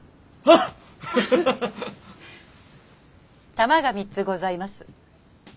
玉が３つございます。